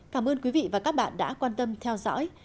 cảm ơn các bạn đã theo dõi